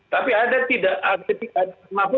tapi mahfud tidak mendapatkan pilihan